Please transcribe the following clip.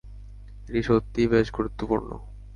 এটা সত্যিই বেশ গুরুত্বপূর্ণ!